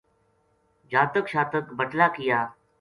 جاتک شاتک بٹلا کیا